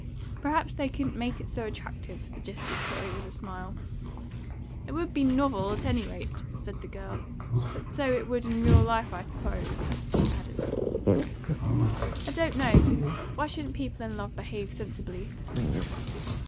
"Perhaps they couldn't make it so attractive," suggested Corey, with a smile. "It would be novel, at any rate," said the girl. "But so it would in real life, I suppose," she added. "I don't know. Why shouldn't people in love behave sensibly?"